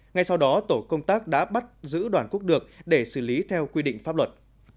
ngay sau đó tổ công tác đã bắt giữ đoàn quốc được để xử lý theo quy định pháp luật